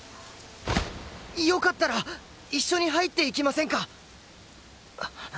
よかったら一緒に入っていきませんか？